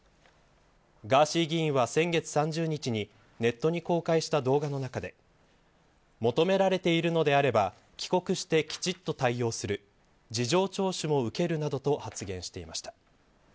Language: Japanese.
ガーシー議員は、先月３０日にネットに公開した動画の中で求められているのであれば帰国して、きちっと対応する事情聴取も受けるなどと発言していました。